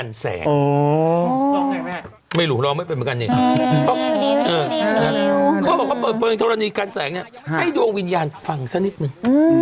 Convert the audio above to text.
แม่ไม่รู้น้องไม่เป็นป่ะได้ไม่เป็นทรีย์กันแสงแล้วให้ดวงวิญญาณฝั่งสักนิดนึง